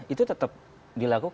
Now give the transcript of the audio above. itu tetap dilakukan